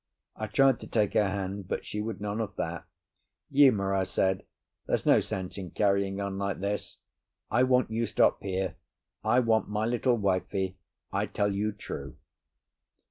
I tried to take her hand, but she would none of that. "Uma," I said, "there's no sense in carrying on like this. I want you stop here, I want my little wifie, I tell you true."